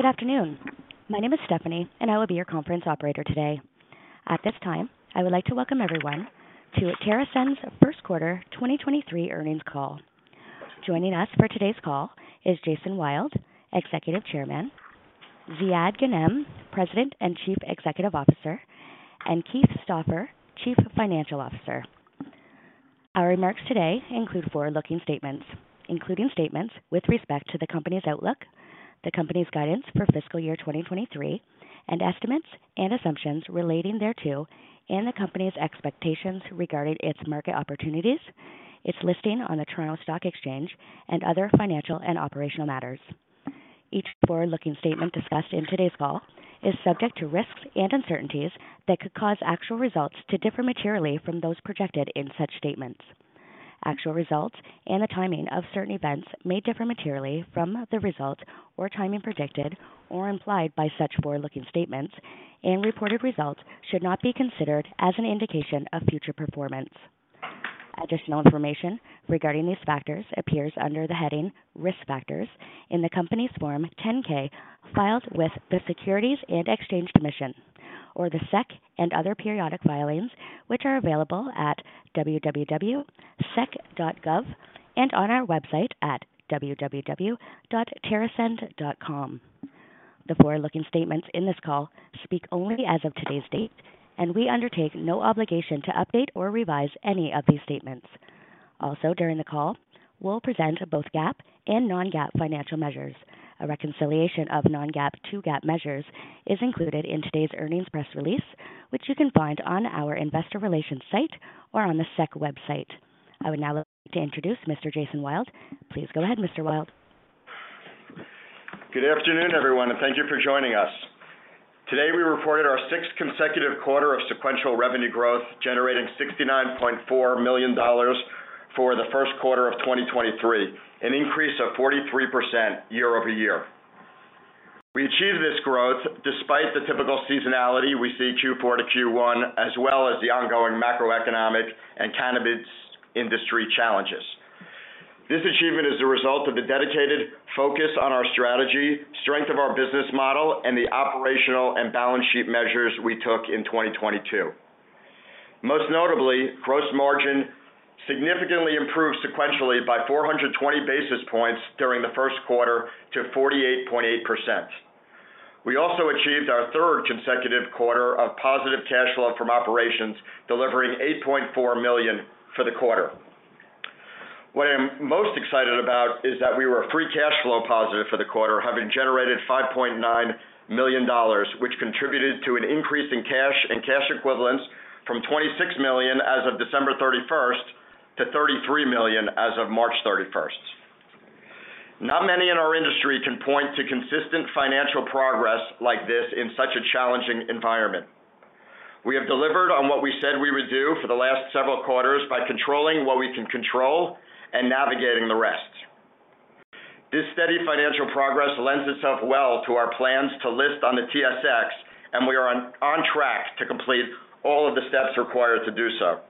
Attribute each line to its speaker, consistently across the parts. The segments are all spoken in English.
Speaker 1: Good afternoon. My name is Stephanie, and I will be your conference operator today. At this time, I would like to welcome everyone to TerrAscend's Q1 2023 earnings call. Joining us for today's call is Jason Wild, Executive Chairman, Ziad Ghannam, President and Chief Executive Officer, and Keith Stauffer, Chief Financial Officer. Our remarks today include forward-looking statements, including statements with respect to the company's outlook, the company's guidance for fiscal year 2023, and estimates and assumptions relating thereto, and the company's expectations regarding its market opportunities, its listing on the Toronto Stock Exchange and other financial and operational matters. Each forward-looking statement discussed in today's call is subject to risks and uncertainties that could cause actual results to differ materially from those projected in such statements. Actual results and the timing of certain events may differ materially from the results or timing predicted or implied by such forward-looking statements, and reported results should not be considered as an indication of future performance. Additional information regarding these factors appears under the heading Risk Factors in the company's Form 10-K files with the Securities and Exchange Commission or the SEC and other periodic filings, which are available at www.sec.gov and on our website at www.terrascend.com. The forward-looking statements in this call speak only as of today's date, and we undertake no obligation to update or revise any of these statements. Also, during the call, we'll present both GAAP and non-GAAP financial measures. A reconciliation of non-GAAP to GAAP measures is included in today's earnings press release, which you can find on our investor relations site or on the SEC website. I would now like to introduce Mr. Please go ahead, Mr. Wild.
Speaker 2: Good afternoon, everyone, and thank you for joining us. Today, we reported our sixth consecutive quarter of sequential revenue growth, generating $69.4 million for the Q1 of 2023, an increase of 43% year-over-year. We achieved this growth despite the typical seasonality we see Q4 to Q1, as well as the ongoing macroeconomic and cannabis industry challenges. This achievement is a result of the dedicated focus on our strategy, strength of our business model, and the operational and balance sheet measures we took in 2022. Most notably, gross margin significantly improved sequentially by 420 basis points during the Q1 to 48.8%. We also achieved our third consecutive quarter of positive cash flow from operations, delivering $8.4 million for the quarter. What I'm most excited about is that we were free cash flow positive for the quarter, having generated $5.9 million, which contributed to an increase in cash and cash equivalents from $26 million as of December 31st to $33 million as of March 31st. Not many in our industry can point to consistent financial progress like this in such a challenging environment. We have delivered on what we said we would do for the last several quarters by controlling what we can control and navigating the rest. This steady financial progress lends itself well to our plans to list on the TSX, and we are on track to complete all of the steps required to do so.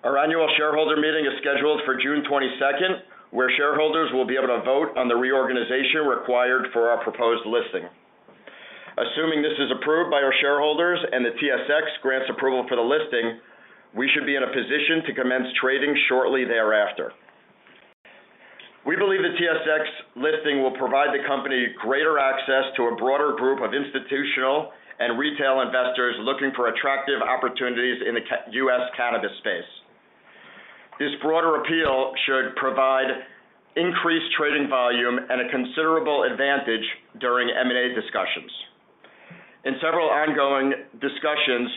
Speaker 2: Our annual shareholder meeting is scheduled for June 22nd, where shareholders will be able to vote on the reorganization required for our proposed listing. Assuming this is approved by our shareholders and the TSX grants approval for the listing, we should be in a position to commence trading shortly thereafter. We believe the TSX listing will provide the company greater access to a broader group of institutional and retail investors looking for attractive opportunities in the U.S. cannabis space. This broader appeal should provide increased trading volume and a considerable advantage during M&A discussions. In several ongoing discussions,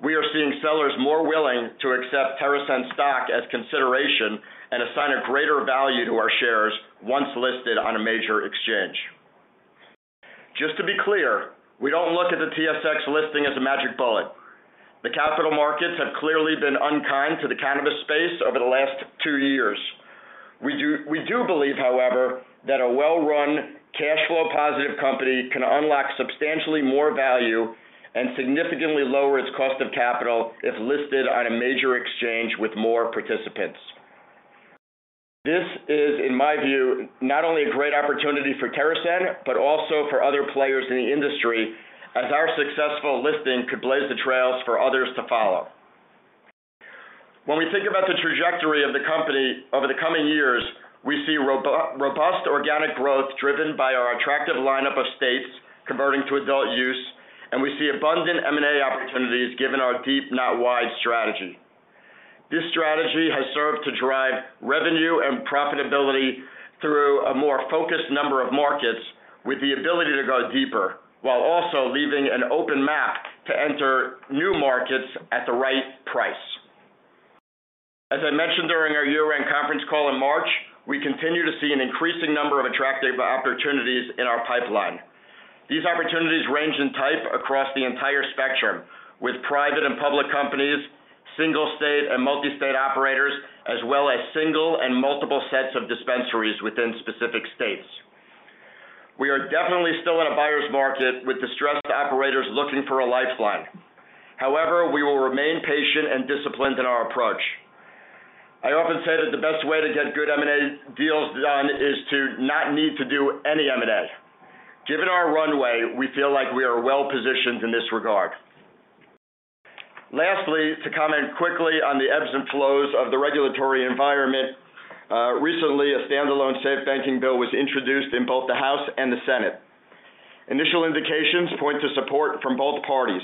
Speaker 2: we are seeing sellers more willing to accept TerrAscend stock as consideration and assign a greater value to our shares once listed on a major exchange. Just to be clear, we don't look at the TSX listing as a magic bullet. The capital markets have clearly been unkind to the cannabis space over the last two years. We do believe, however, that a well-run cash flow positive company can unlock substantially more value and significantly lower its cost of capital if listed on a major exchange with more participants. This is, in my view, not only a great opportunity for TerrAscend, but also for other players in the industry as our successful listing could blaze the trails for others to follow. When we think about the trajectory of the company over the coming years, we see robust organic growth driven by our attractive lineup of states converting to adult use. We see abundant M&A opportunities given our deep, not wide strategy. This strategy has served to drive revenue and profitability through a more focused number of markets with the ability to go deeper, while also leaving an open map to enter new markets at the right price. As I mentioned during our year-end conference call in March, we continue to see an increasing number of attractive opportunities in our pipeline. These opportunities range in type across the entire spectrum with private and public companies, single state and multi-state operators, as well as single and multiple sets of dispensaries within specific states. We are definitely still in a buyer's market with distressed operators looking for a lifeline. Disciplined in our approach. I often say that the best way to get good M&A deals done is to not need to do any M&A. Given our runway, we feel like we are well-positioned in this regard. Lastly, to comment quickly on the ebbs and flows of the regulatory environment. Recently, a standalone SAFE Banking bill was introduced in both the House and the Senate. Initial indications point to support from both parties.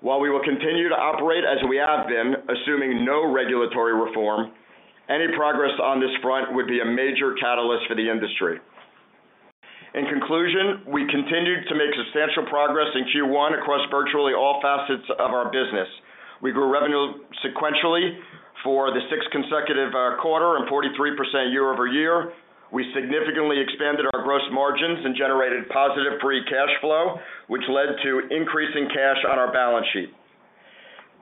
Speaker 2: While we will continue to operate as we have been, assuming no regulatory reform, any progress on this front would be a major catalyst for the industry. In conclusion, we continued to make substantial progress in Q1 across virtually all facets of our business. We grew revenue sequentially for the sixth consecutive quarter and 43% year-over-year. We significantly expanded our gross margins and generated positive free cash flow, which led to increasing cash on our balance sheet.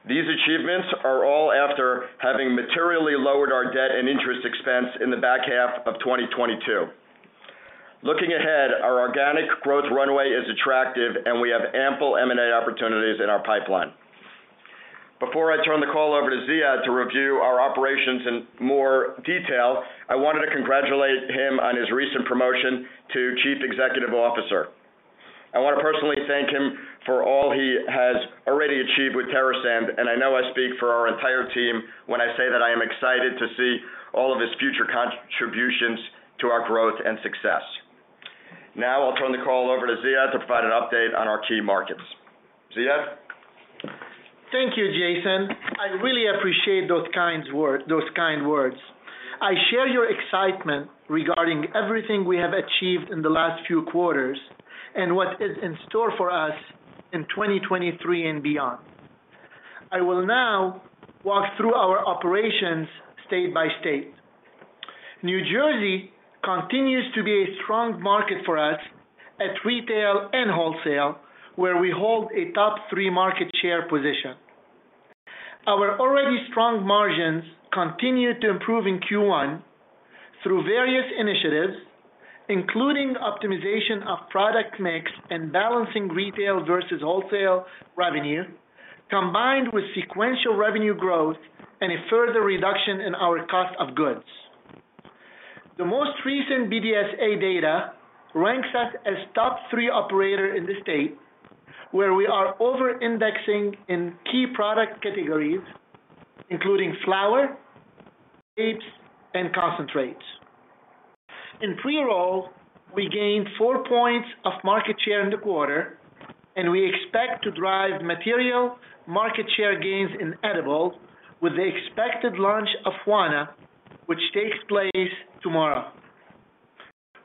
Speaker 2: These achievements are all after having materially lowered our debt and interest expense in the back half of 2022. Looking ahead, our organic growth runway is attractive, and we have ample M&A opportunities in our pipeline. Before I turn the call over to Ziad to review our operations in more detail, I wanted to congratulate him on his recent promotion to Chief Executive Officer. I wanna personally thank him for all he has already achieved with TerrAscend, and I know I speak for our entire team when I say that I am excited to see all of his future contributions to our growth and success. Now, I'll turn the call over to Ziad to provide an update on our key markets. Ziad?
Speaker 3: Thank you, Jason. I really appreciate those kind words. I share your excitement regarding everything we have achieved in the last few quarters and what is in store for us in 2023 and beyond. I will now walk through our operations state by state. New Jersey continues to be a strong market for us at retail and wholesale, where we hold a top three market share position. Our already strong margins continued to improve in Q1 through various initiatives, including optimization of product mix and balancing retail versus wholesale revenue, combined with sequential revenue growth and a further reduction in our cost of goods. The most recent BDSA data ranks us as top three operator in the state, where we are over-indexing in key product categories, including flower, vapes, and concentrates. In pre-roll, we gained 4 points of market share in the quarter. We expect to drive material market share gains in edible with the expected launch of Wana, which takes place tomorrow.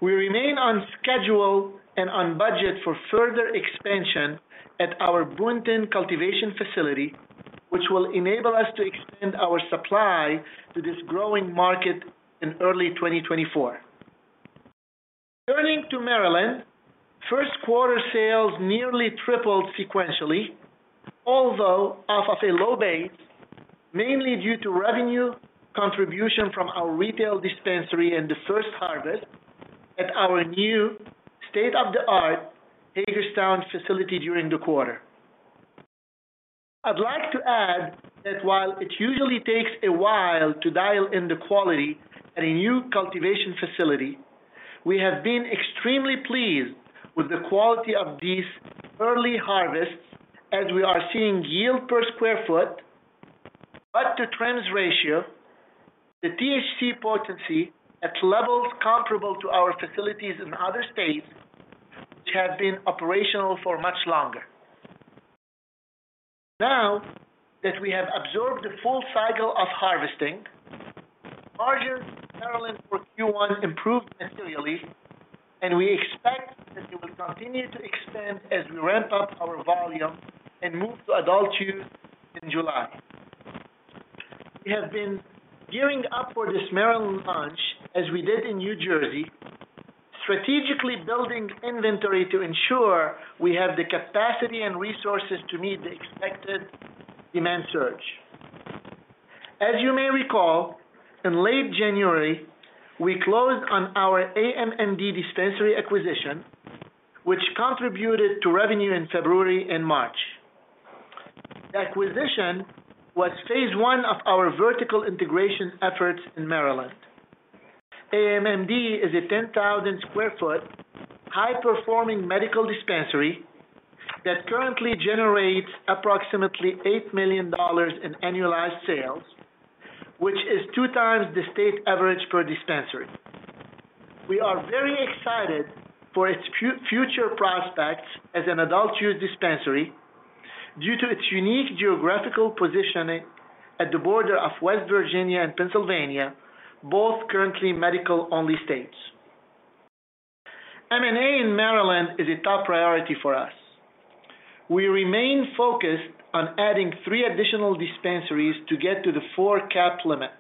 Speaker 3: We remain on schedule and on budget for further expansion at our Boonton cultivation facility, which will enable us to extend our supply to this growing market in early 2024. Turning to Maryland, Q1 sales nearly tripled sequentially, although off of a low base, mainly due to revenue contribution from our retail dispensary and the first harvest at our new state-of-the-art Hagerstown facility during the quarter. I'd like to add that while it usually takes a while to dial in the quality at a new cultivation facility, we have been extremely pleased with the quality of these early harvests as we are seeing yield per square foot, bud-to-trim ratio, the THC potency at levels comparable to our facilities in other states which have been operational for much longer. Now that we have absorbed the full cycle of harvesting, margins in Maryland for Q1 improved materially, and we expect that they will continue to expand as we ramp up our volume and move to adult use in July. We have been gearing up for this Maryland launch, as we did in New Jersey, strategically building inventory to ensure we have the capacity and resources to meet the expected demand surge. As you may recall, in late January, we closed on our AMND dispensary acquisition, which contributed to revenue in February and March. The acquisition was phase 1 of our vertical integration efforts in Maryland. AMND is a 10,000 sq ft, high-performing medical dispensary that currently generates approximately $8 million in annualized sales, which is 2 times the state average per dispensary. We are very excited for its future prospects as an adult use dispensary due to its unique geographical positioning at the border of West Virginia and Pennsylvania, both currently medical-only states. M&A in Maryland is a top priority for us. We remain focused on adding 3 additional dispensaries to get to the 4-cap limit.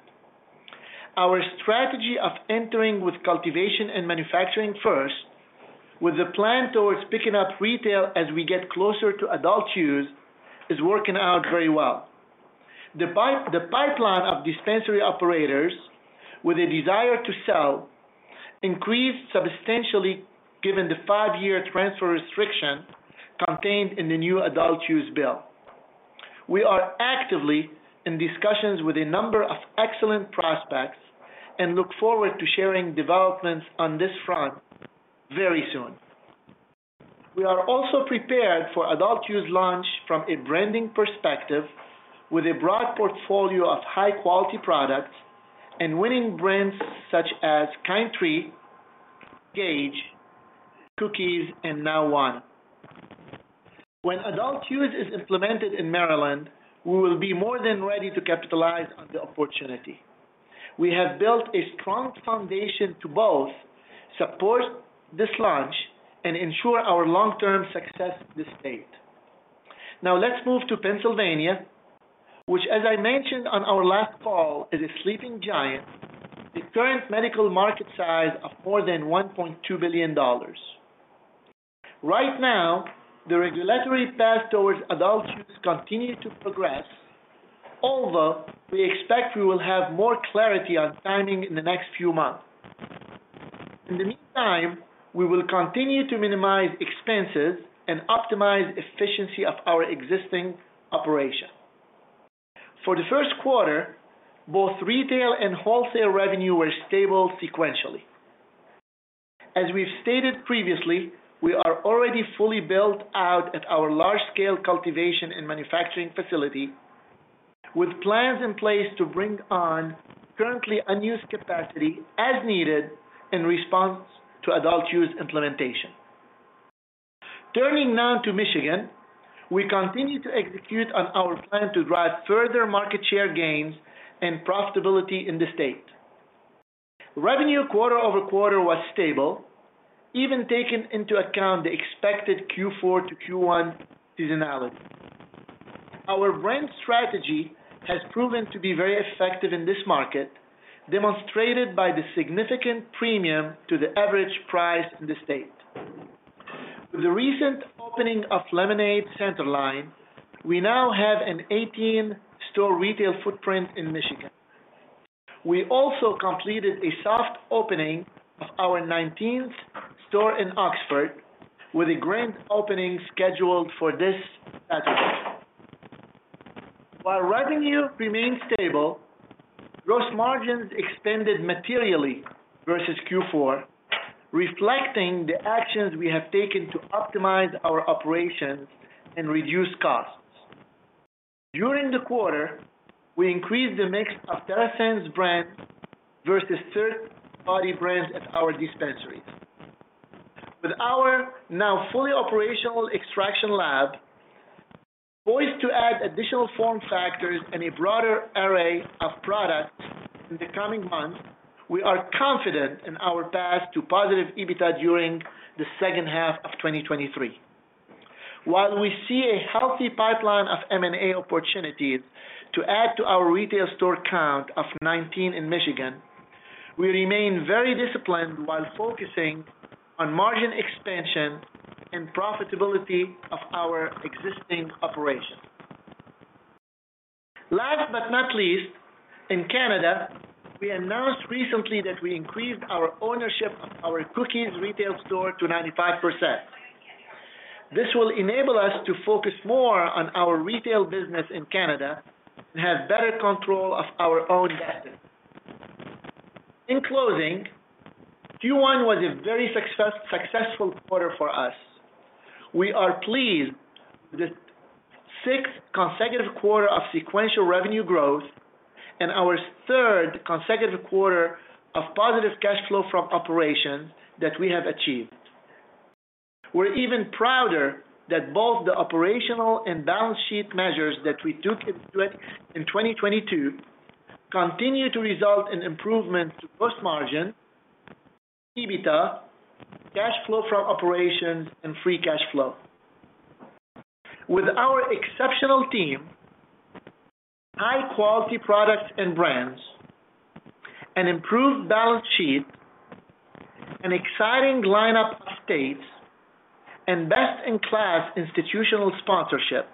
Speaker 3: Our strategy of entering with cultivation and manufacturing first, with a plan towards picking up retail as we get closer to adult use, is working out very well. The pipeline of dispensary operators with a desire to sell increased substantially given the 5-year transfer restriction contained in the new adult use bill. We are actively in discussions with a number of excellent prospects and look forward to sharing developments on this front very soon. We are also prepared for adult use launch from a branding perspective with a broad portfolio of high-quality products and winning brands such as Kind Tree, Gage, Cookies, and Wana. When adult use is implemented in Maryland, we will be more than ready to capitalize on the opportunity. We have built a strong foundation to both support this launch and ensure our long-term success in the state. Let's move to Pennsylvania, which as I mentioned on our last call, is a sleeping giant with current medical market size of more than $1.2 billion. Right now, the regulatory path towards adult use continue to progress, although we expect we will have more clarity on timing in the next few months. In the meantime, we will continue to minimize expenses and optimize efficiency of our existing operation. For the Q1, both retail and wholesale revenue were stable sequentially. As we've stated previously, we are already fully built out at our large-scale cultivation and manufacturing facility with plans in place to bring on currently unused capacity as needed in response to adult use implementation. Turning now to Michigan, we continue to execute on our plan to drive further market share gains and profitability in the state. Revenue quarter-over-quarter was stable, even taking into account the expected Q4 to Q1 seasonality. Our brand strategy has proven to be very effective in this market, demonstrated by the significant premium to the average price in the state. With the recent opening of Lemonnade Center Line, we now have an 18-store retail footprint in Michigan. We also completed a soft opening of our 19th store in Oxford with a grand opening scheduled for this Saturday. While revenue remains stable, gross margins expanded materially versus Q4, reflecting the actions we have taken to optimize our operations and reduce costs. During the quarter, we increased the mix of TerrAscend's brands versus third-party brands at our dispensaries. With our now fully operational extraction lab poised to add additional form factors and a broader array of products in the coming months, we are confident in our path to positive EBITDA during the H2 of 2023. While we see a healthy pipeline of M&A opportunities to add to our retail store count of 19 in Michigan, we remain very disciplined while focusing on margin expansion and profitability of our existing operations. Last but not least, in Canada, we announced recently that we increased our ownership of our Cookies retail store to 95%. This will enable us to focus more on our retail business in Canada and have better control of our own destiny. In closing, Q1 was a very successful quarter for us. We are pleased with the sixth consecutive quarter of sequential revenue growth and our third consecutive quarter of positive cash flow from operations that we have achieved. We're even prouder that both the operational and balance sheet measures that we took in 2022 continue to result in improvements to gross margin, EBITDA, cash flow from operations, and free cash flow. With our exceptional team, high-quality products and brands, an improved balance sheet, an exciting lineup of states, and best-in-class institutional sponsorship,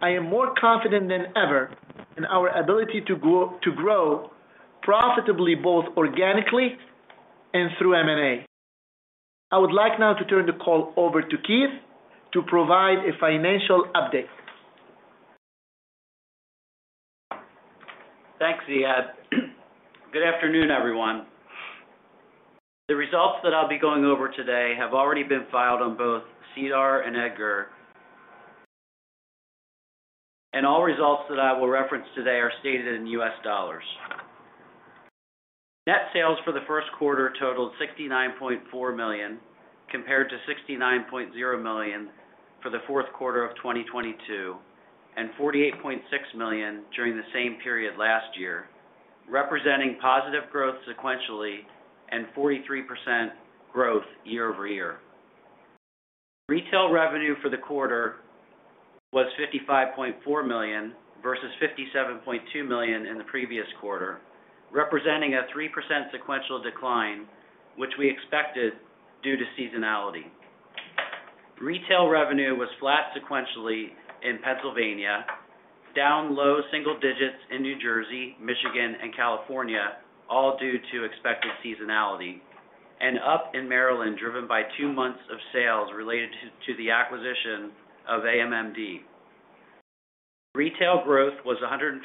Speaker 3: I am more confident than ever in our ability to grow profitably, both organically and through M&A. I would like now to turn the call over to Keith to provide a financial update.
Speaker 4: Thanks, Ziad. Good afternoon, everyone. The results that I'll be going over today have already been filed on both SEDAR and EDGAR. All results that I will reference today are stated in U.S. dollars. Net sales for the Q1 totaled $69.4 million, compared to $69.0 million for the Q4 of 2022, and $48.6 million during the same period last year, representing positive growth sequentially and 43% growth year-over-year. Retail revenue for the quarter was $55.4 million versus $57.2 million in the previous quarter, representing a 3% sequential decline, which we expected due to seasonality. Retail revenue was flat sequentially in Pennsylvania, down low single digits in New Jersey, Michigan, and California, all due to expected seasonality, and up in Maryland, driven by 2 months of sales related to the acquisition of AMMD. Retail growth was 115%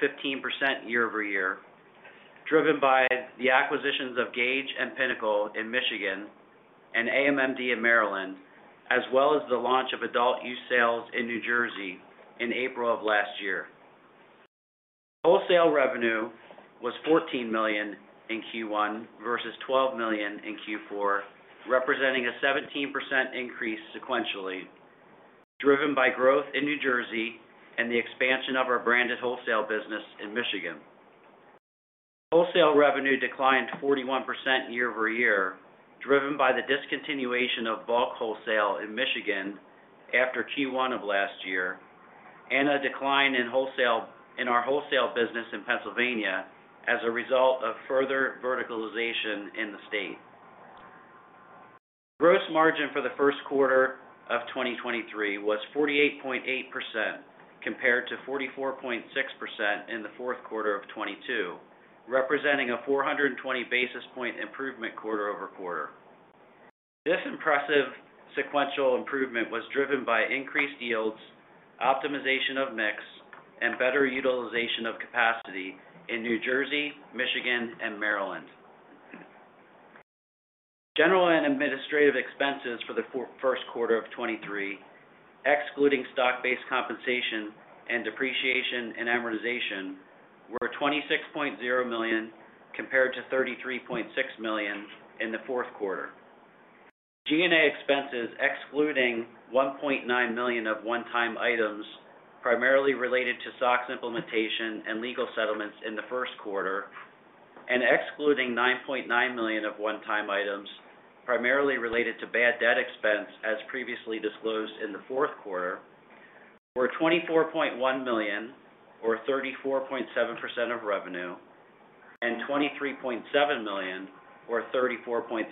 Speaker 4: year-over-year, driven by the acquisitions of Gage and Pinnacle in Michigan and AMMD in Maryland, as well as the launch of adult use sales in New Jersey in April of last year. Wholesale revenue was $14 million in Q1 versus $12 million in Q4, representing a 17% increase sequentially, driven by growth in New Jersey and the expansion of our branded wholesale business in Michigan. Wholesale revenue declined 41% year-over-year, driven by the discontinuation of bulk wholesale in Michigan after Q1 of last year and a decline in our wholesale business in Pennsylvania as a result of further verticalization in the state. Gross margin for the Q1 of 2023 was 48.8% compared to 44.6% in the Q4 of 2022, representing a 420 basis point improvement quarter-over-quarter. This impressive sequential improvement was driven by increased yields, optimization of mix, and better utilization of capacity in New Jersey, Michigan, and Maryland. General and administrative expenses for the Q1 of 2023, excluding stock-based compensation and depreciation and amortization, were $26.0 million compared to $33.6 million in the Q4. G&A expenses, excluding $1.9 million of one-time items primarily related to SOX implementation and legal settlements in the Q1 and excluding $9.9 million of one-time items primarily related to bad debt expense as previously disclosed in the Q4, were $24.1 million or 34.7% of revenue and $23.7 million or 34.3%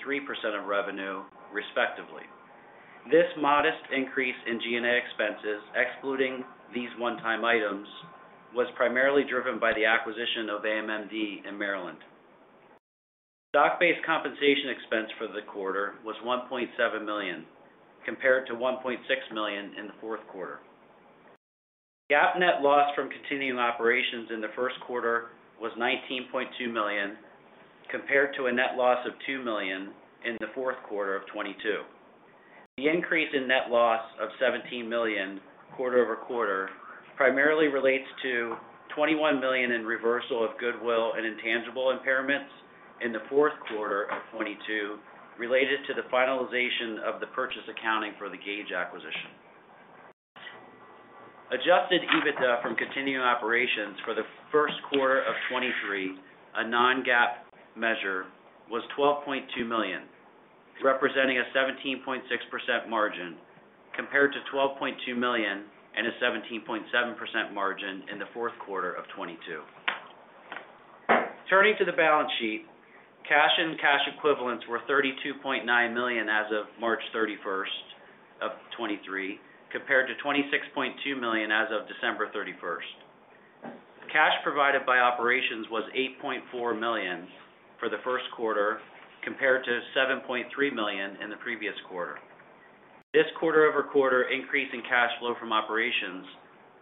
Speaker 4: of revenue respectively. This modest increase in G&A expenses, excluding these one-time items, was primarily driven by the acquisition of AMMD in Maryland. Stock-based compensation expense for the quarter was $1.7 million compared to $1.6 million in the Q4. GAAP net loss from continuing operations in the Q1 was $19.2 million compared to a net loss of $2 million in the Q4 of 2022. The increase in net loss of $17 million quarter-over-quarter primarily relates to $21 million in reversal of goodwill and intangible impairments in the Q4 of 2022 related to the finalization of the purchase accounting for the Gage acquisition. Adjusted EBITDA from continuing operations for the Q1 of 2023, a non-GAAP measure, was $12.2 million, representing a 17.6% margin compared to $12.2 million and a 17.7% margin in the Q4 of 2022. Turning to the balance sheet, cash and cash equivalents were $32.9 million as of March 31, 2023 compared to $26.2 million as of December 31. Cash provided by operations was $8.4 million for the Q1 compared to $7.3 million in the previous quarter. This quarter-over-quarter increase in cash flow from operations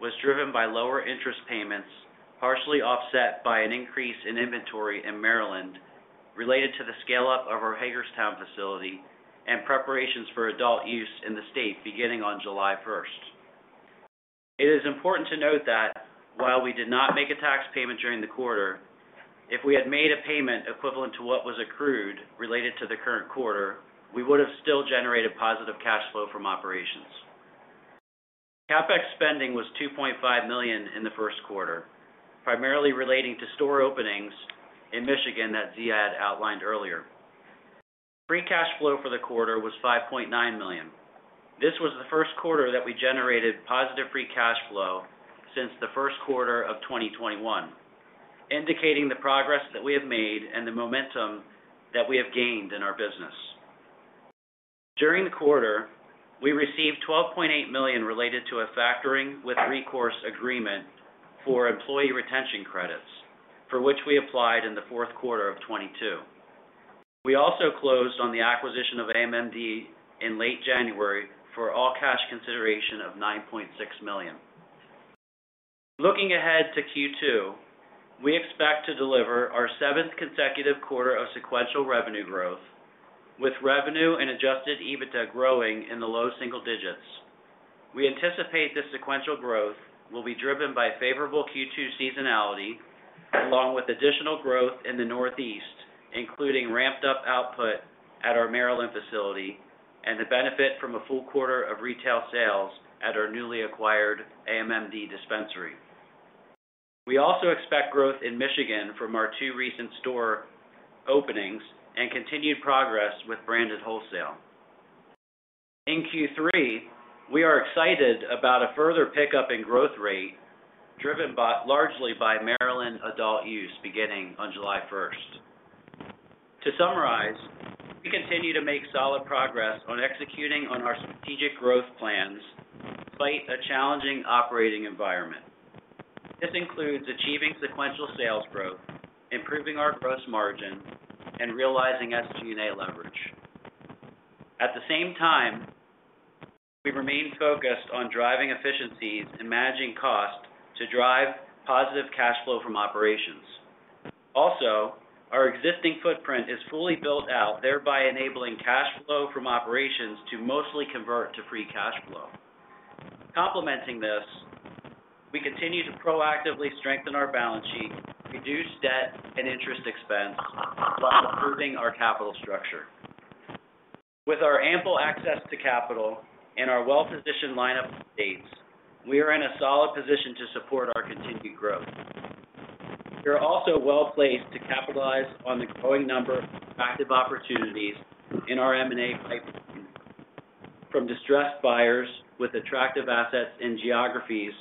Speaker 4: was driven by lower interest payments, partially offset by an increase in inventory in Maryland related to the scale up of our Hagerstown facility and preparations for adult use in the state beginning on July 1. It is important to note that while we did not make a tax payment during the quarter, if we had made a payment equivalent to what was accrued related to the current quarter, we would have still generated positive cash flow from operations. CapEx spending was $2.5 million in the Q1, primarily relating to store openings in Michigan that Ziad outlined earlier. Free cash flow for the quarter was $5.9 million. This was the Q1 that we generated positive free cash flow since the Q1 of 2021, indicating the progress that we have made and the momentum that we have gained in our business. During the quarter, we received $12.8 million related to a factoring with recourse agreement for Employee Retention Credit, for which we applied in the Q4 of 2022. We also closed on the acquisition of AMMD in late January for all cash consideration of $9.6 million. Looking ahead to Q2, we expect to deliver our seventh consecutive quarter of sequential revenue growth, with revenue and Adjusted EBITDA growing in the low single digits. We anticipate this sequential growth will be driven by favorable Q2 seasonality along with additional growth in the Northeast, including ramped up output at our Maryland facility and the benefit from a full quarter of retail sales at our newly acquired AMMD dispensary. We also expect growth in Michigan from our two recent store openings and continued progress with branded wholesale. In Q3, we are excited about a further pickup in growth rate largely by Maryland adult use beginning on July 1. To summarize, we continue to make solid progress on executing on our strategic growth plans despite a challenging operating environment. This includes achieving sequential sales growth, improving our gross margin, and realizing SG&A leverage. At the same time, we remain focused on driving efficiencies and managing costs to drive positive cash flow from operations. Our existing footprint is fully built out, thereby enabling cash flow from operations to mostly convert to free cash flow. Complementing this, we continue to proactively strengthen our balance sheet, reduce debt and interest expense while improving our capital structure. With our ample access to capital and our well-positioned lineup of states, we are in a solid position to support our continued growth. We are also well-placed to capitalize on the growing number of attractive opportunities in our M&A pipeline from distressed buyers with attractive assets in geographies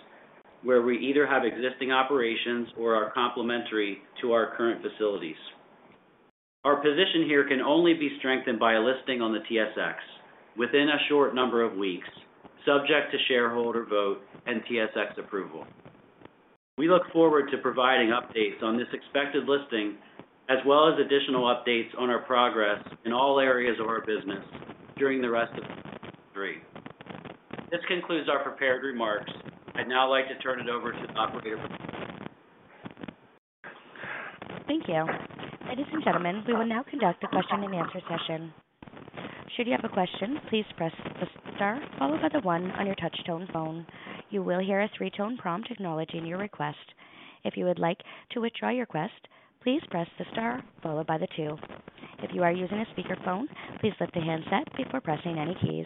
Speaker 4: where we either have existing operations or are complementary to our current facilities. Our position here can only be strengthened by a listing on the TSX within a short number of weeks, subject to shareholder vote and TSX approval. We look forward to providing updates on this expected listing, as well as additional updates on our progress in all areas of our business during the rest of 2023. This concludes our prepared remarks. I'd now like to turn it over to the operator.
Speaker 1: Thank you. Ladies and gentlemen, we will now conduct a question-and-answer session. Should you have a question, please press the star followed by the one on your touch-tone phone. You will hear a three-tone prompt acknowledging your request. If you would like to withdraw your request, please press the star followed by the two. If you are using a speakerphone, please lift the handset before pressing any keys.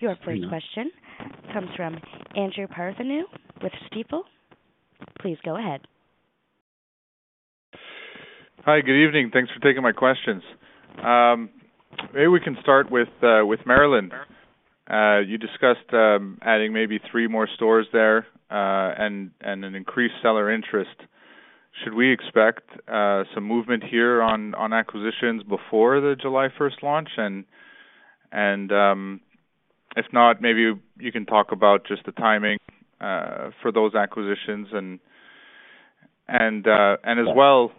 Speaker 1: Your first question comes from Andrew Partheniou with Stifel. Please go ahead.
Speaker 5: Hi. Good evening. Thanks for taking my questions. Maybe we can start with Maryland. You discussed adding maybe three more stores there and an increased seller interest. Should we expect some movement here on acquisitions before the July 1 launch? If not, maybe you can talk about just the timing for those acquisitions and as well,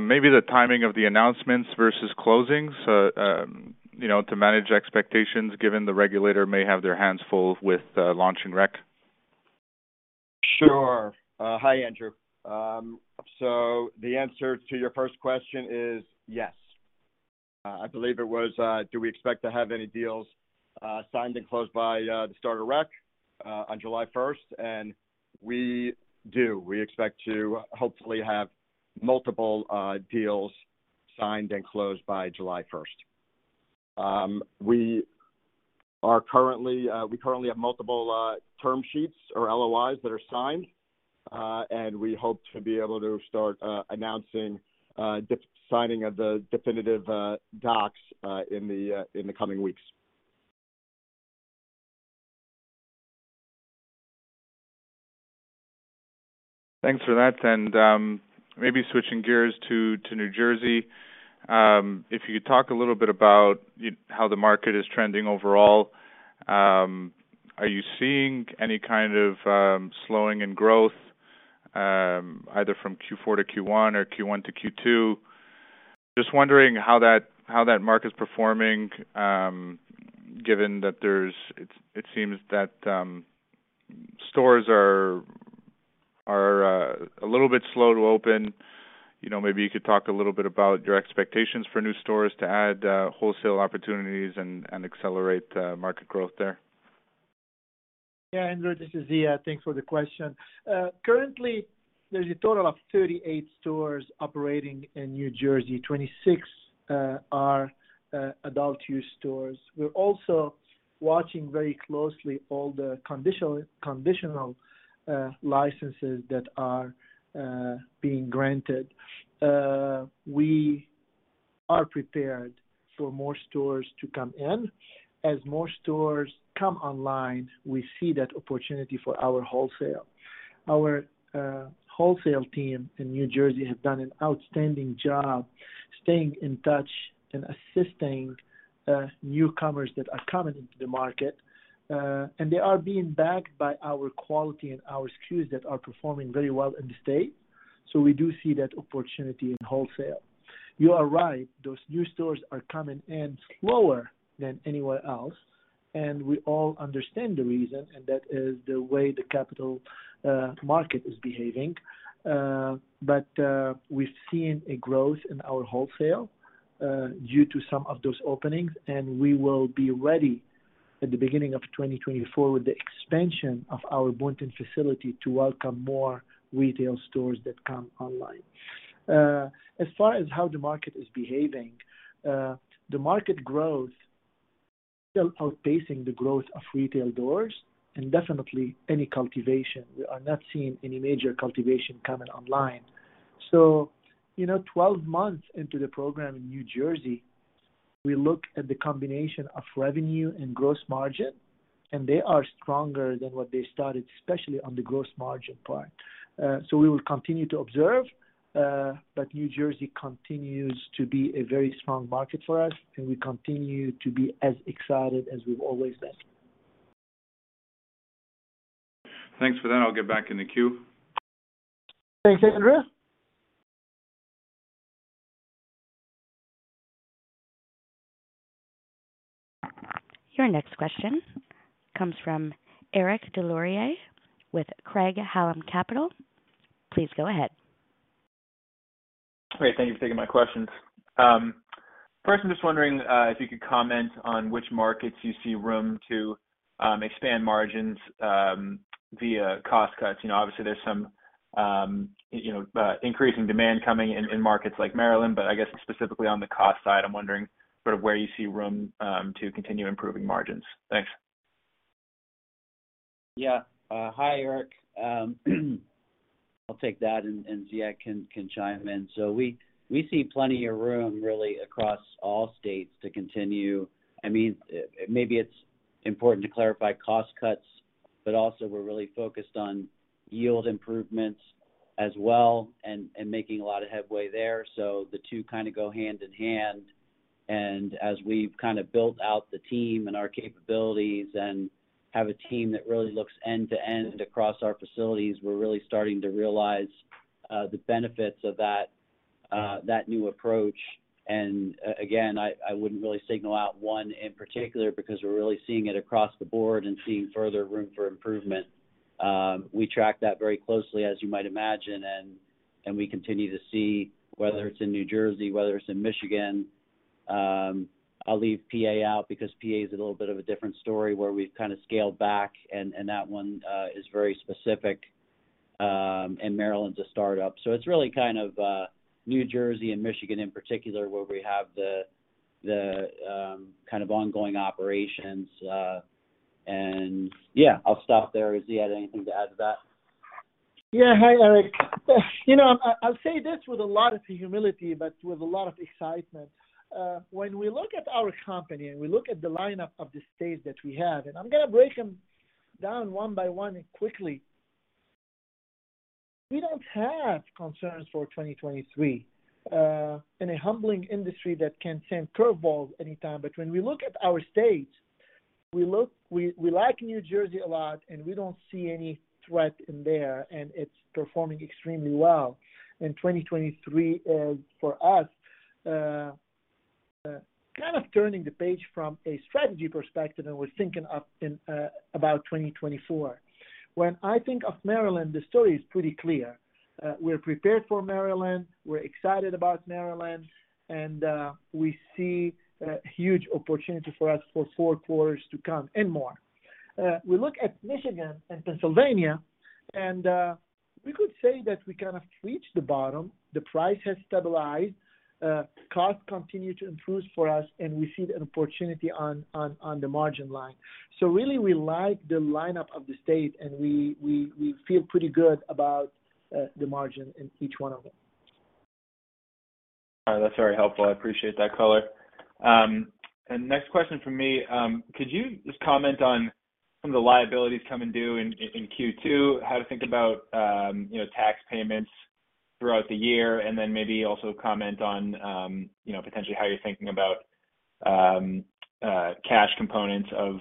Speaker 5: maybe the timing of the announcements versus closings, you know, to manage expectations given the regulator may have their hands full with launching rec.
Speaker 3: Sure. Hi, Andrew. The answer to your first question is yes. I believe it was, do we expect to have any deals signed and closed by the start of rec on July 1. We do. We expect to hopefully have multiple deals signed and closed by July 1. We are currently, we currently have multiple term sheets or LOIs that are signed, and we hope to be able to start announcing the signing of the definitive docs in the coming weeks.
Speaker 5: Thanks for that. Maybe switching gears to New Jersey, if you could talk a little bit about how the market is trending overall? Are you seeing any kind of slowing in growth, either from Q4 to Q1 or Q1 to Q2? Just wondering how that market is performing, given that it seems that stores are a little bit slow to open. You know, maybe you could talk a little bit about your expectations for new stores to add, wholesale opportunities and accelerate market growth there?
Speaker 3: Yeah, Andrew, this is Zia. Thanks for the question. Currently, there's a total of 38 stores operating in New Jersey. 26 are adult use stores. We're also watching very closely all the conditional licenses that are being granted. We are prepared for more stores to come in. As more stores come online, we see that opportunity for our wholesale. Our wholesale team in New Jersey have done an outstanding job staying in touch and assisting newcomers that are coming into the market, and they are being backed by our quality and our SKUs that are performing very well in the state. We do see that opportunity in wholesale. You are right, those new stores are coming in slower than anywhere else, and we all understand the reason, and that is the way the capital market is behaving. We've seen a growth in our wholesale due to some of those openings, and we will be ready at the beginning of 2024 with the expansion of our Boonton facility to welcome more retail stores that come online. As far as how the market is behaving, the market growth is still outpacing the growth of retail doors and definitely any cultivation. We are not seeing any major cultivation coming online. You know, 12 months into the program in New Jersey. We look at the combination of revenue and gross margin, and they are stronger than what they started, especially on the gross margin part. We will continue to observe, New Jersey continues to be a very strong market for us, and we continue to be as excited as we've always been.
Speaker 5: Thanks for that. I'll get back in the queue.
Speaker 3: Thanks, Andrew.
Speaker 1: Your next question comes from Eric DesLauriers with Craig-Hallum Capital. Please go ahead.
Speaker 6: Great. Thank you for taking my questions. First, I'm just wondering if you could comment on which markets you see room to expand margins via cost cuts. You know, obviously there's some, you know, increasing demand coming in markets like Maryland, but I guess specifically on the cost side, I'm wondering sort of where you see room to continue improving margins. Thanks.
Speaker 4: Yeah. Hi, Eric. I'll take that and Ziad can chime in. We see plenty of room really across all states to continue. I mean, maybe it's important to clarify cost cuts, but also we're really focused on yield improvements as well and making a lot of headway there. The two kind of go hand in hand. As we've kind of built out the team and our capabilities and have a team that really looks end to end across our facilities, we're really starting to realize the benefits of that new approach. Again, I wouldn't really signal out one in particular because we're really seeing it across the board and seeing further room for improvement. We track that very closely, as you might imagine, and we continue to see whether it's in New Jersey, whether it's in Michigan. I'll leave PA out because PA is a little bit of a different story where we've kind of scaled back and that one is very specific, and Maryland's a start-up. It's really kind of New Jersey and Michigan in particular, where we have the kind of ongoing operations. Yeah, I'll stop there. Ziad, anything to add to that?
Speaker 3: Yeah. Hi, Eric. You know, I'll say this with a lot of humility, but with a lot of excitement. When we look at our company and we look at the lineup of the states that we have, and I'm going to break them down one by one and quickly, we don't have concerns for 2023 in a humbling industry that can send curveballs anytime. When we look at our states, we like New Jersey a lot, and we don't see any threat in there, and it's performing extremely well. In 2023, for us, kind of turning the page from a strategy perspective, and we're thinking about 2024. When I think of Maryland, the story is pretty clear. We're prepared for Maryland, we're excited about Maryland, and we see a huge opportunity for us for four quarters to come and more. We look at Michigan and Pennsylvania, and we could say that we kind of reached the bottom. The price has stabilized. Costs continue to improve for us, and we see an opportunity on the margin line. Really we like the lineup of the state and we feel pretty good about the margin in each one of them.
Speaker 6: All right. That's very helpful. I appreciate that color. Next question from me. Could you just comment on some of the liabilities coming due in Q2, how to think about, you know, tax payments throughout the year, and then maybe also comment on, you know, potentially how you're thinking about cash components of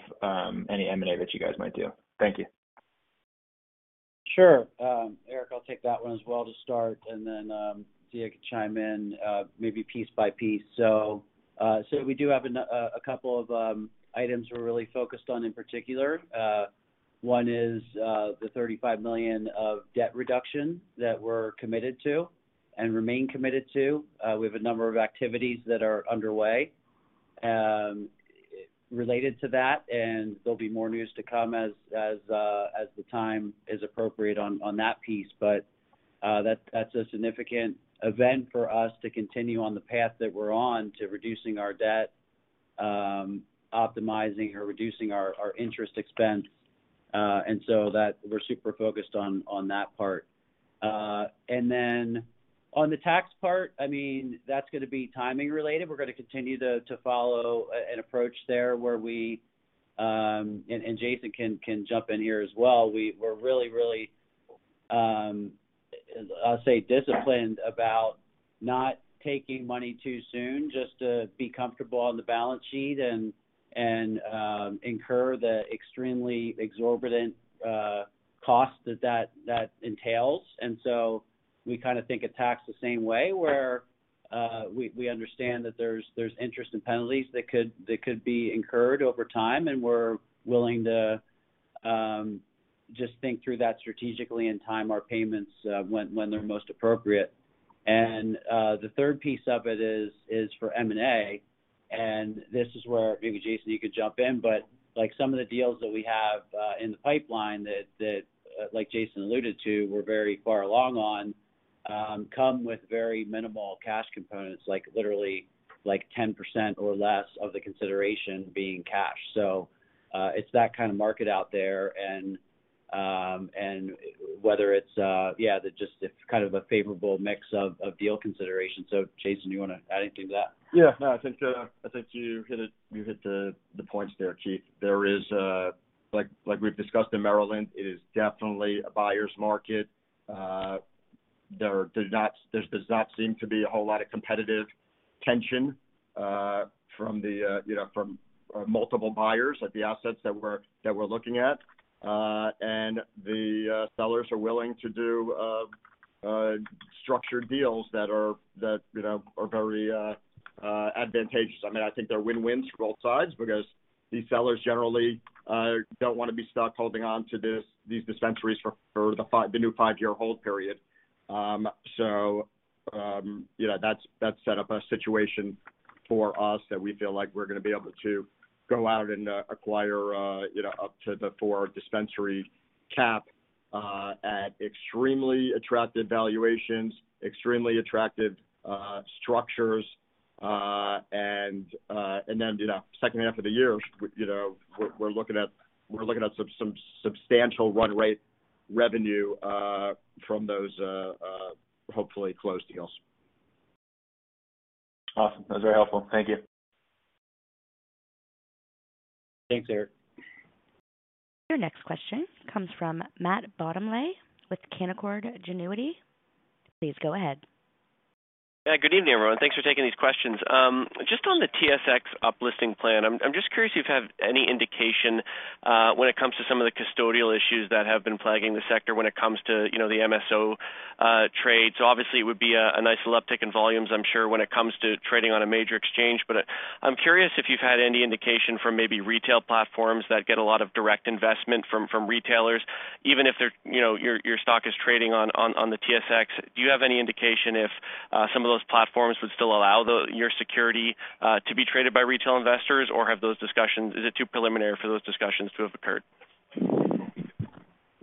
Speaker 6: any M&A that you guys might do. Thank you.
Speaker 4: Sure. Eric, I'll take that one as well to start, and then Ziad can chime in maybe piece by piece. We do have a couple of items we're really focused on in particular. One is the $35 million of debt reduction that we're committed to and remain committed to. We have a number of activities that are underway related to that, and there'll be more news to come as the time is appropriate on that piece. That's a significant event for us to continue on the path that we're on to reducing our debt, optimizing or reducing our interest expense. That we're super focused on that part. On the tax part, I mean, that's going to be timing related. We're gonna continue to follow an approach there where we, and Jason can jump in here as well. We're really, really, I'll say disciplined about not taking money too soon just to be comfortable on the balance sheet and incur the extremely exorbitant cost that entails. We kind of think of tax the same way, where we understand that there's interest and penalties that could be incurred over time, and we're willing to just think through that strategically and time our payments when they're most appropriate. The third piece of it is for M&A, and this is where maybe, Jason, you could jump in. Like some of the deals that we have in the pipeline that, like Jason alluded to, we're very far along on, come with very minimal cash components, like literally like 10% or less of the consideration being cash. It's that kind of market out there. Whether it's kind of a favorable mix of deal consideration. Jason, you wanna add anything to that?
Speaker 2: Yeah. No, I think you hit the points there, Keith. There is, like we've discussed in Maryland, it is definitely a buyer's market. There does not seem to be a whole lot of competitive tension, from the, you know, from multiple buyers at the assets that we're looking at. The sellers are willing to do structured deals that are, you know, very advantageous. I mean, I think they're win-wins for both sides because these sellers generally don't wanna be stuck holding on to these dispensaries for the new five-year hold period. You know, that's set up a situation for us that we feel like we're gonna be able to go out and acquire, you know, up to the 4 dispensary cap, at extremely attractive valuations, extremely attractive structures. Then, you know, H2 of the year, you know, we're looking at some substantial run rate revenue from those hopefully closed deals.
Speaker 6: Awesome. That was very helpful. Thank you.
Speaker 2: Thanks, Eric.
Speaker 1: Your next question comes from Matt Bottomley with Canaccord Genuity. Please go ahead.
Speaker 7: Yeah. Good evening, everyone. Thanks for taking these questions. Just on the TSX up listing plan, I'm just curious if you have any indication when it comes to some of the custodial issues that have been plaguing the sector when it comes to, you know, the MSO trades. Obviously, it would be a nice little uptick in volumes, I'm sure, when it comes to trading on a major exchange. I'm curious if you've had any indication from maybe retail platforms that get a lot of direct investment from retailers, even if they're, you know, your stock is trading on the TSX. Do you have any indication if some of those platforms would still allow your security to be traded by retail investors? Or have those discussions? Is it too preliminary for those discussions to have occurred?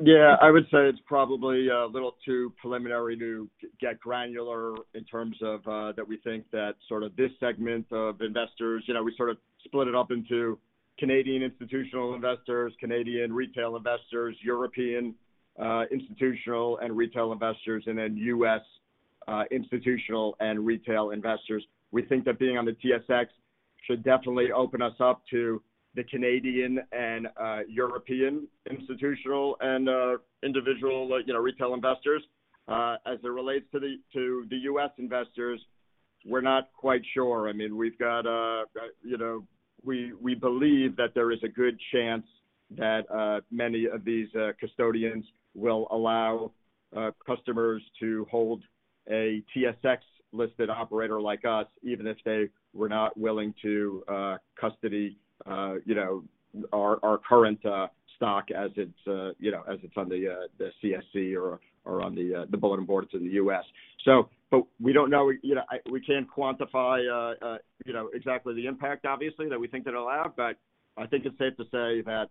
Speaker 2: Yeah, I would say it's probably a little too preliminary to get granular in terms of that we think that sort of this segment of investors. You know, we sort of split it up into Canadian institutional investors, Canadian retail investors, European institutional and retail investors, then U.S. institutional and retail investors. We think that being on the TSX should definitely open us up to the Canadian and European institutional and individual, you know, retail investors. As it relates to the U.S. investors, we're not quite sure. I mean, we've got, you know, we believe that there is a good chance that many of these custodians will allow customers to hold a TSX-listed operator like us, even if they were not willing to custody, you know, our current stock as it's, you know, as it's on the CSE or on the bulletin board to the U.S. We don't know. You know, we can't quantify, exactly the impact, obviously, that we think it'll have, but I think it's safe to say that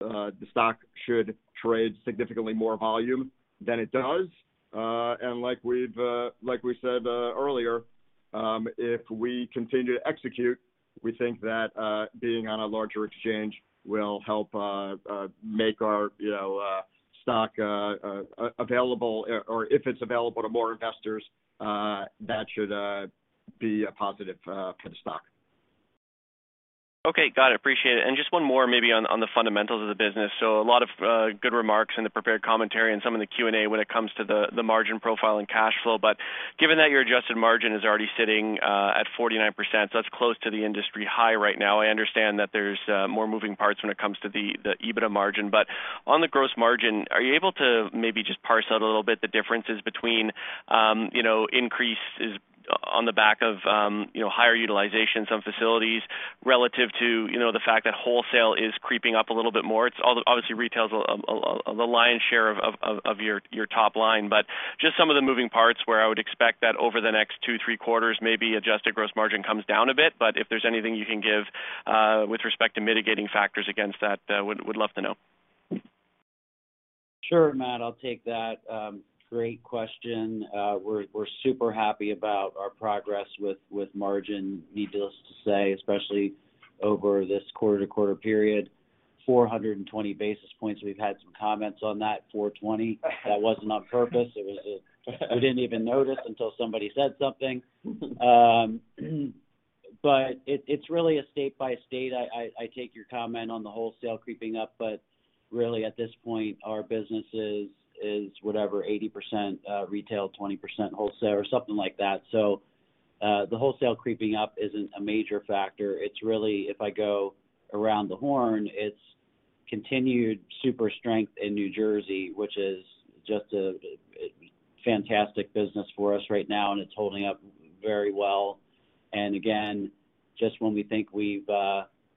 Speaker 2: the stock should trade significantly more volume than it does. Like we've, like we said, earlier, if we continue to execute, we think that being on a larger exchange will help make our, you know, stock available... or if it's available to more investors, that should be a positive for the stock.
Speaker 7: Okay. Got it. Appreciate it. Just one more maybe on the fundamentals of the business. A lot of good remarks in the prepared commentary and some of the Q&A when it comes to the margin profile and cash flow. Given that your adjusted margin is already sitting at 49%, so that's close to the industry high right now. I understand that there's more moving parts when it comes to the EBITDA margin. On the gross margin, are you able to maybe just parse out a little bit the differences between, you know, increases on the back of, you know, higher utilization, some facilities relative to, you know, the fact that wholesale is creeping up a little bit more? It's obviously retail is a lion's share of your top line. Just some of the moving parts where I would expect that over the next two, three quarters, maybe adjusted gross margin comes down a bit. If there's anything you can give with respect to mitigating factors against that, would love to know.
Speaker 4: Sure, Matt. I'll take that. Great question. We're super happy about our progress with margin, needless to say, especially over this quarter-over-quarter period, 420 basis points. We've had some comments on that, 420. That wasn't on purpose. We didn't even notice until somebody said something. It's really a state by state. I take your comment on the wholesale creeping up, really, at this point, our business is whatever, 80% retail, 20% wholesale, or something like that. The wholesale creeping up isn't a major factor. It's really, if I go around the horn, it's continued super strength in New Jersey, which is just a fantastic business for us right now, and it's holding up very well. Again, just when we think we've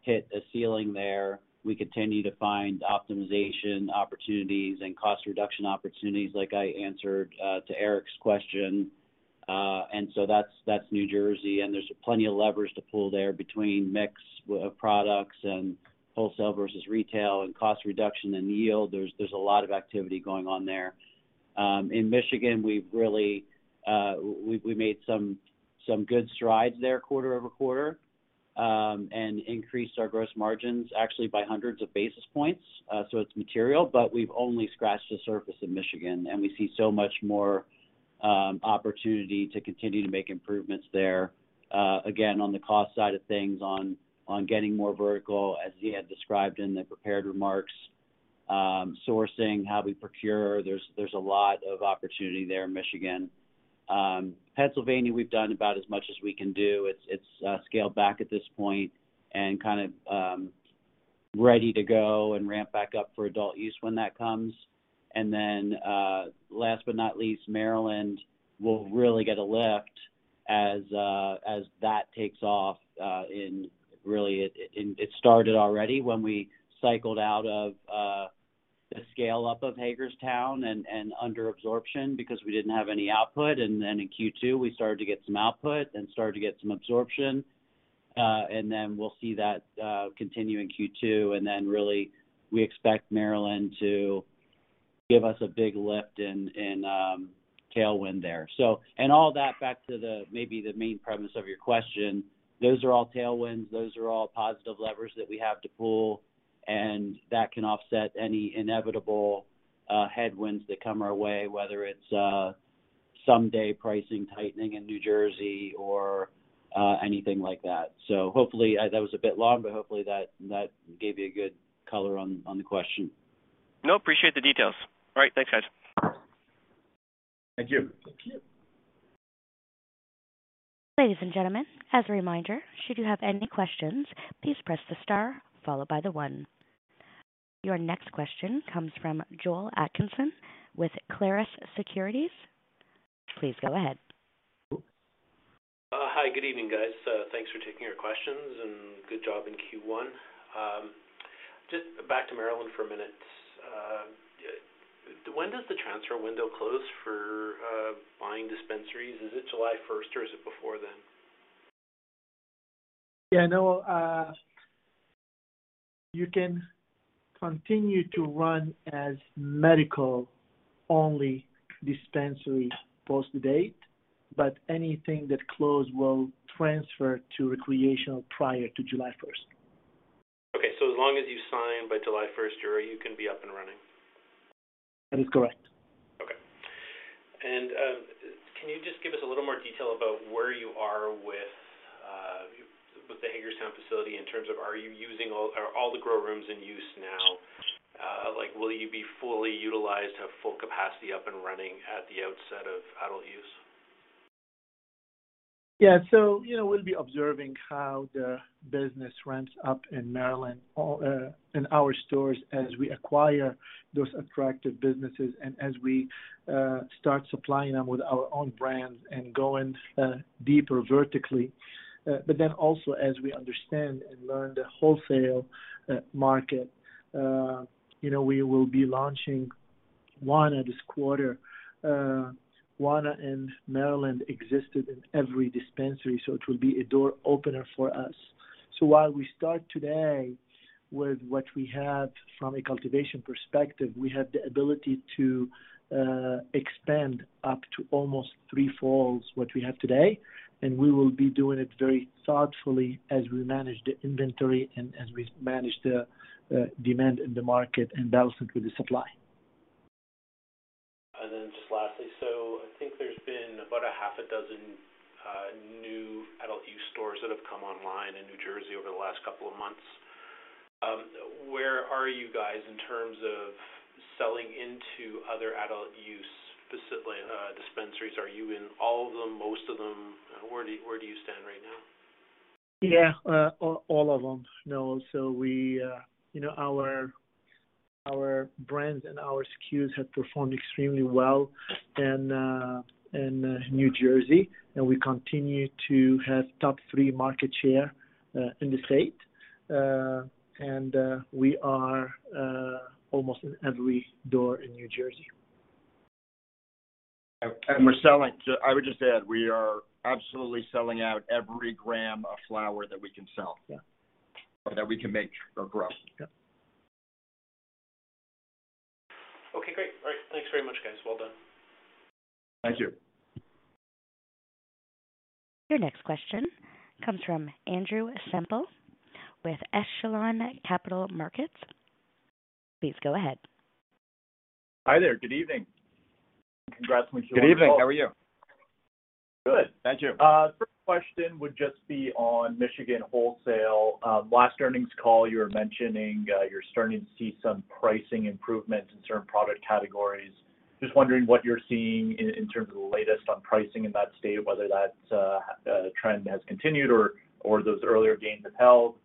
Speaker 4: hit a ceiling there, we continue to find optimization opportunities and cost reduction opportunities like I answered to Eric's question. That's New Jersey, and there's plenty of levers to pull there between mix of products and wholesale versus retail and cost reduction and yield. There's a lot of activity going on there. In Michigan, we've really made some good strides there quarter-over-quarter and increased our gross margins actually by hundreds of basis points. So it's material, but we've only scratched the surface in Michigan, and we see so much more opportunity to continue to make improvements there, again, on the cost side of things, on getting more vertical, as Ziad described in the prepared remarks, sourcing, how we procure. There's a lot of opportunity there in Michigan. Pennsylvania, we've done about as much as we can do. It's scaled back at this point and kind of ready to go and ramp back up for adult use when that comes. Last but not least, Maryland will really get a lift as that takes off in really it, and it started already when we cycled out of the scale-up of Hagerstown and under absorption because we didn't have any output. In Q2, we started to get some output and started to get some absorption. We'll see that continue in Q2, and then really we expect Maryland to give us a big lift and tailwind there. And all that back to the, maybe the main premise of your question, those are all tailwinds. Those are all positive levers that we have to pull, and that can offset any inevitable headwinds that come our way, whether it's someday pricing tightening in New Jersey or anything like that. Hopefully. That was a bit long, but hopefully that gave you a good color on the question.
Speaker 7: No, appreciate the details. All right. Thanks, guys.
Speaker 4: Thank you.
Speaker 3: Thank you.
Speaker 1: Ladies and gentlemen, as a reminder, should you have any questions, please press the star followed by 1. Your next question comes from Noel Atkinson with Clarus Securities. Please go ahead.
Speaker 8: Hi. Good evening, guys. Thanks for taking our questions, and good job in Q1. Just back to Maryland for a minute. When does the transfer window close for buying dispensaries? Is it July 1, or is it before then?
Speaker 3: Yeah, no, you can continue to run as medical-only dispensary post the date, but anything that close will transfer to recreational prior to July 1.
Speaker 8: As long as you sign by July 1, you can be up and running.
Speaker 3: That is correct.
Speaker 8: Okay. Can you just give us a little more detail about where you are with the Hagerstown facility in terms of Are all the grow rooms in use now? Like, will you be fully utilized, have full capacity up and running at the outset of adult use?
Speaker 3: Yeah. You know, we'll be observing how the business ramps up in Maryland, in our stores as we acquire those attractive businesses and as we start supplying them with our own brands and going deeper vertically. Also, as we understand and learn the wholesale market, you know, we will be launching Wana this quarter. Wana in Maryland existed in every dispensary, so it will be a door opener for us. While we start today with what we have from a cultivation perspective, we have the ability to expand up to almost three folds what we have today, and we will be doing it very thoughtfully as we manage the inventory and as we manage the demand in the market and balance it with the supply.
Speaker 8: Just lastly, I think there's been about a half a dozen new adult e-stores that have come online in New Jersey over the last couple of months. Where are you guys in terms of selling into other adult use facility dispensaries? Are you in all of them, most of them? Where do you stand right now?
Speaker 3: Yeah. All of them know. We, you know, our brands and our SKUs have performed extremely well in New Jersey, and we continue to have top three market share in the state. We are almost in every door in New Jersey.
Speaker 4: I would just add, we are absolutely selling out every gram of flower that we can sell.
Speaker 3: Yeah.
Speaker 4: That we can make or grow.
Speaker 3: Yeah.
Speaker 8: Okay, great. All right. Thanks very much, guys. Well done.
Speaker 4: Thank you.
Speaker 1: Your next question comes from Andrew Semple with Echelon Capital Markets. Please go ahead.
Speaker 9: Hi there. Good evening. Congrats on your-
Speaker 4: Good evening. How are you?
Speaker 9: Good.
Speaker 4: Thank you.
Speaker 9: First question would just be on Michigan wholesale. Last earnings call, you were mentioning, you're starting to see some pricing improvements in certain product categories. Just wondering what you're seeing in terms of the latest on pricing in that state, whether that trend has continued or those earlier gains have held?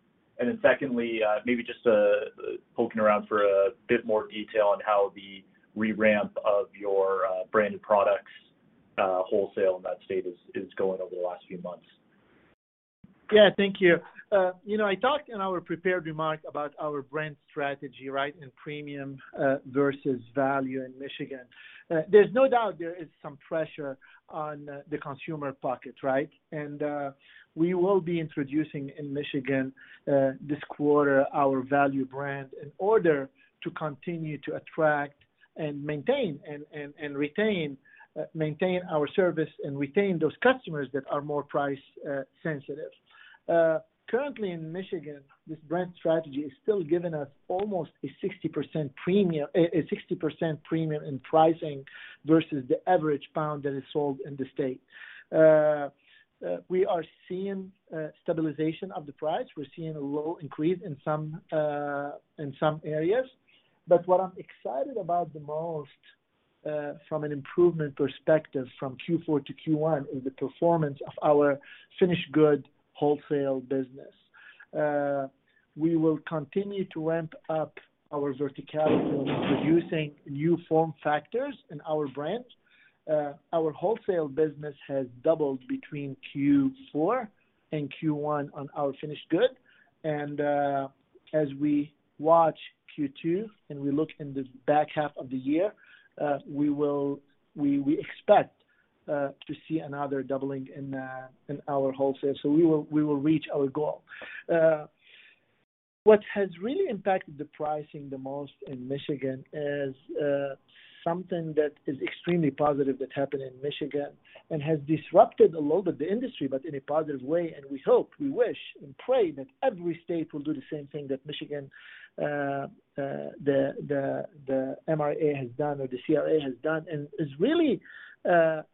Speaker 9: Secondly, maybe just poking around for a bit more detail on how the re-ramp of your branded products wholesale in that state is going over the last few months?
Speaker 3: Yeah, thank you. You know, I talked in our prepared remark about our brand strategy, right? In premium versus value in Michigan. There's no doubt there is some pressure on the consumer pocket, right? We will be introducing in Michigan this quarter our value brand in order to continue to attract and maintain and retain our service and retain those customers that are more price sensitive. Currently in Michigan, this brand strategy is still giving us almost a 60% premium, a 60% premium in pricing versus the average pound that is sold in the state. We are seeing stabilization of the price. We're seeing a low increase in some in some areas. What I'm excited about the most, from an improvement perspective from Q4 to Q1 is the performance of our finished good wholesale business. We will continue to ramp up our vertical producing new form factors in our brands. Our wholesale business has doubled between Q4 and Q1 on our finished good. As we watch Q2 and we look in the back half of the year, we expect to see another doubling in our wholesale. We will reach our goal. What has really impacted the pricing the most in Michigan is something that is extremely positive that happened in Michigan and has disrupted a lot of the industry, but in a positive way, and we hope, we wish, and pray that every state will do the same thing that Michigan, the MRA has done or the CRA has done. Is really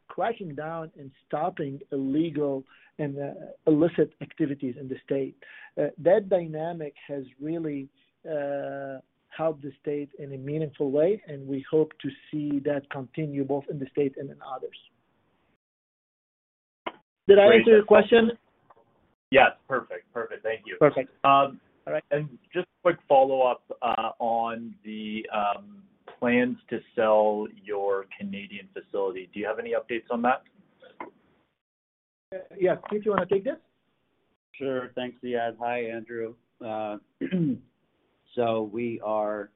Speaker 3: cracking down and stopping illegal and illicit activities in the state. That dynamic has really helped the state in a meaningful way, and we hope to see that continue both in the state and in others. Did I answer your question?
Speaker 9: Yes. Perfect. Perfect. Thank you.
Speaker 3: Perfect. All right.
Speaker 9: Just quick follow-up on the plans to sell your Canadian facility. Do you have any updates on that?
Speaker 3: Yeah. Keith, do you wanna take this?
Speaker 4: Sure. Thanks, Ziad. Hi, Andrew. We are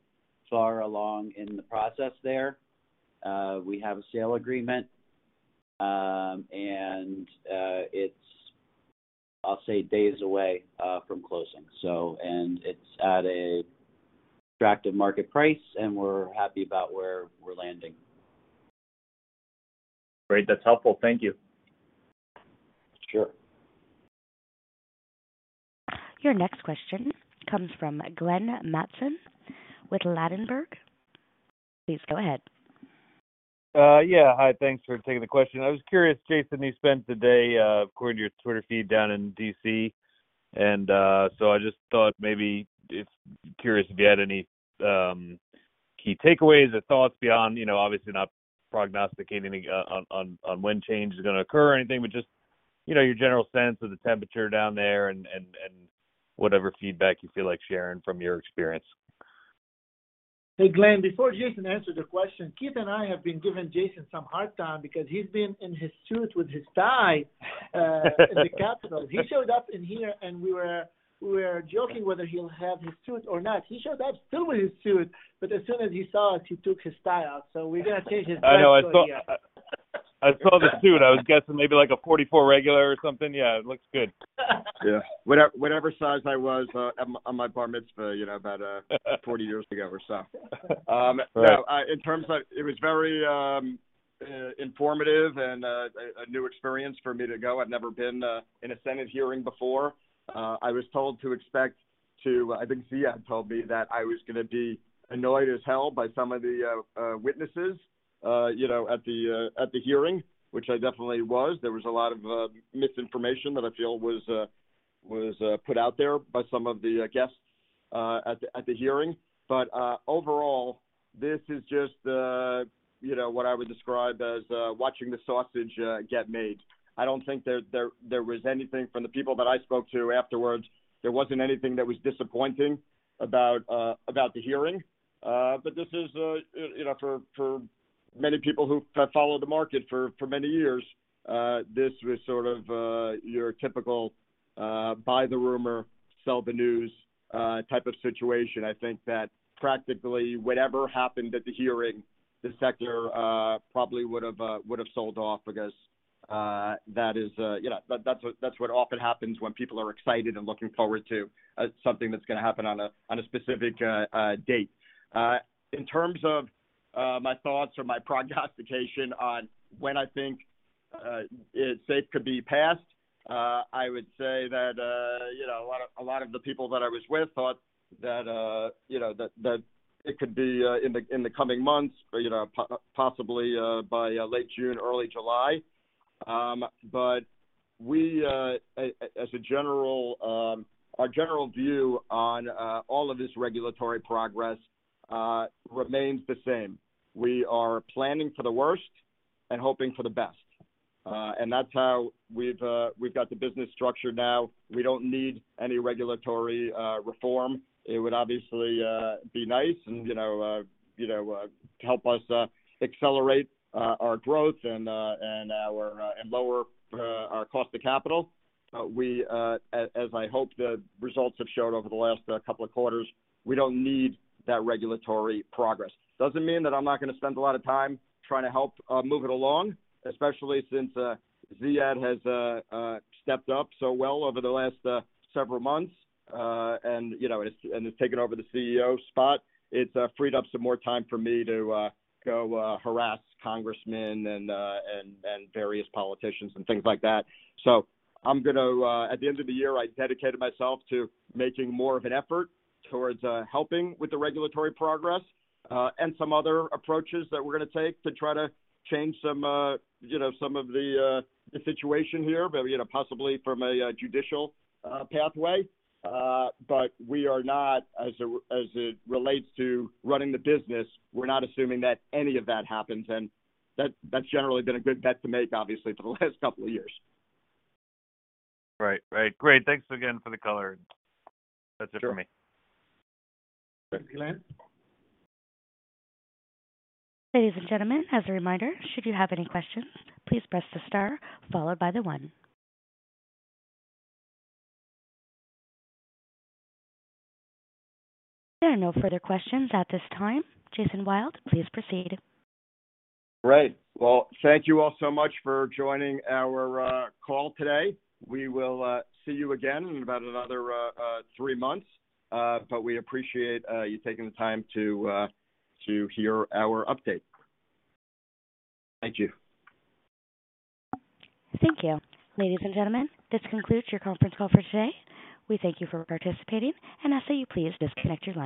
Speaker 4: far along in the process there. We have a sale agreement. It's, I'll say, days away, from closing, so. It's at an attractive market price, and we're happy about where we're landing.
Speaker 9: Great. That's helpful. Thank you.
Speaker 4: Sure.
Speaker 1: Your next question comes from Glenn Mattson with Ladenburg Thalmann. Please go ahead.
Speaker 10: Yeah. Hi. Thanks for taking the question. I was curious, Jason, you spent the day, according to your Twitter feed, down in D.C. I just thought maybe curious if you had any key takeaways or thoughts beyond, you know, obviously not prognosticating on when change is gonna occur or anything, but just, you know, your general sense of the temperature down there and whatever feedback you feel like sharing from your experience.
Speaker 3: Hey, Glenn, before Jason answers the question, Keith and I have been giving Jason some hard time because he's been in his suit with his tie in the Capitol. He showed up in here, and we were joking whether he'll have his suit or not. He showed up still with his suit, but as soon as he saw us, he took his tie off. We're gonna change his backstory.
Speaker 10: I know. I saw the suit. I was guessing maybe like a 44 regular or something. Yeah, it looks good.
Speaker 2: Whatever size I was on my bar mitzvah, you know, about 40 years ago or so. In terms of, it was very informative and a new experience for me to go. I've never been in a Senate hearing before. I was told to expect. I think Ziad told me that I was gonna be annoyed as hell by some of the witnesses, you know, at the hearing, which I definitely was. There was a lot of misinformation that I feel was put out there by some of the guests at the hearing. Overall, this is just the, you know, what I would describe as watching the sausage get made. I don't think there was anything from the people that I spoke to afterwards, there wasn't anything that was disappointing about the hearing. This is, you know, for many people who have followed the market for many years, this was sort of, your typical, buy the rumor, sell the news, type of situation. I think that practically whatever happened at the hearing, the sector, probably would've sold off because that is, you know, that's what often happens when people are excited and looking forward to something that's gonna happen on a specific date. In terms of my thoughts or my prognostication on when I think it's safe to be passed, I would say that, you know, a lot of the people that I was with thought that, you know, it could be in the coming months or, you know, possibly by late June, early July. We as a general, our general view on all of this regulatory progress remains the same. We are planning for the worst and hoping for the best. That's how we've got the business structured now. We don't need any regulatory reform. It would obviously be nice and, you know, you know, help us accelerate our growth and our and lower our cost of capital. We, as I hope the results have showed over the last couple of quarters, we don't need that regulatory progress. Doesn't mean that I'm not gonna spend a lot of time trying to help move it along, especially since Ziad has stepped up so well over the last several months, and, you know, is, and has taken over the CEO spot. It's freed up some more time for me to go harass congressmen and various politicians and things like that. I'm gonna, at the end of the year, I dedicated myself to making more of an effort towards helping with the regulatory progress and some other approaches that we're gonna take to try to change some, you know, some of the situation here, but, you know, possibly from a judicial pathway. We are not, as it relates to running the business, we're not assuming that any of that happens, and that's generally been a good bet to make, obviously, for the last couple of years.
Speaker 10: Right. Great. Thanks again for the color. That's it for me.
Speaker 2: Sure.
Speaker 3: Thanks, Glenn.
Speaker 1: Ladies and gentlemen, as a reminder, should you have any questions, please press the star followed by the one. There are no further questions at this time. Jason Wild, please proceed.
Speaker 2: Great. Well, thank you all so much for joining our call today. We will see you again in about another 3 months. We appreciate you taking the time to hear our update. Thank you.
Speaker 1: Thank you. Ladies and gentlemen, this concludes your conference call for today. We thank you for participating. Ask that you please disconnect your lines.